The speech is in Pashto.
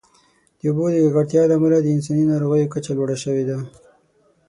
د اوبو د ککړتیا له امله د انساني ناروغیو کچه لوړه شوې ده.